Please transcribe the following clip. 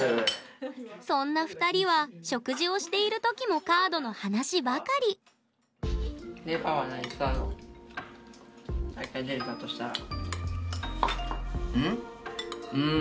そんな２人は食事をしている時もカードの話ばかりうん？